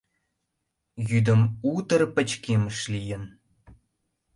Йӱдым утыр пычкемыш лийын.